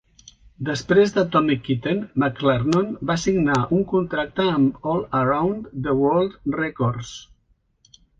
Després d'Atomic Kitten, McClarnon va signar un contracte amb All Around the World Records.